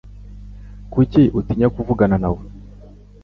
Kuki utinya kuvugana nawe?